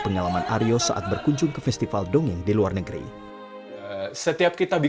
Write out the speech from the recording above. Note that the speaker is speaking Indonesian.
kegiatan ini rutin dilakukan secara spontan di ruang ruang publik